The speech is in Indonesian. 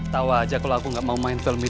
tawa aja kalau aku gak mau main film itu